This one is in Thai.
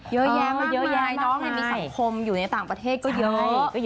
เยอะแยะมากนอกอย่างนี้มีสังคมอยู่ในป่านประเทศเยอะ